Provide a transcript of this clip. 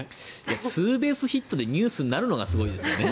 ツーベースヒットでニュースになるのがすごいですよね。